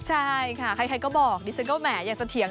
ใช่ค่ะใครก็บอกดิฉันก็แหมอยากจะเถียง